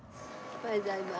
おはようございます。